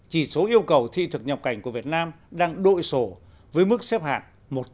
chỉ số yêu cầu thị thực nhập cảnh của việt nam đang đội sổ với mức xếp hạng một trăm một mươi sáu